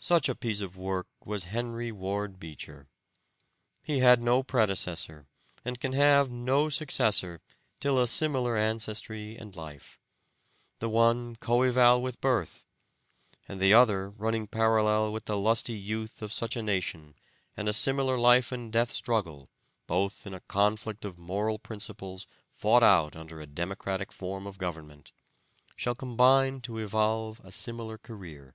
Such a piece of work was Henry Ward Beecher. He had no predecessor, and can have no successor till a similar ancestry and life; the one coeval with birth, and the other running parallel with the lusty youth of such a nation, and a similar life and death struggle, both in a conflict of moral principles fought out under a Democratic form of Government, shall combine to evolve a similar career.